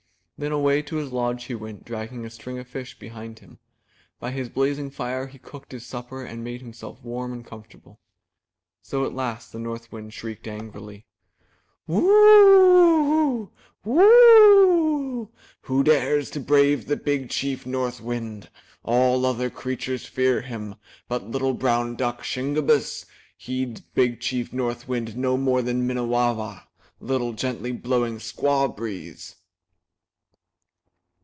Then away to his lodge he went, dragging a string of fish behind him. By his blazing fire he cooked his supper and made him self warm and comfortable. So at last the North Wind shrieked angrily: 339 MY BOOK HOUSE Woo oo oo! Woo oo oo! Who dares to brave Big Chief North Wind? All other creatures fear him. But little brown duck, Shingebiss, heeds Big Chief North Wind no more than Minnewawa, little, gently blowing squaw breeze."